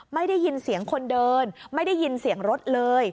ไม่ได้ยินเสียงคนเดินไม่ได้ยินเสียงรถเลย